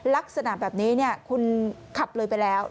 ลักษณะแบบนี้คุณขับเลยไปแล้ว